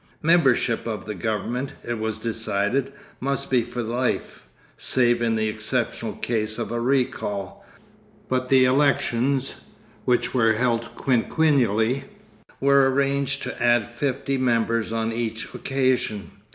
Membership of the government, it was decided, must be for life, save in the exceptional case of a recall; but the elections, which were held quinquennially, were arranged to add fifty members on each occasion.